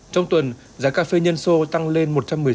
trong tuần giá cà phê nhân sô tăng lên một trăm linh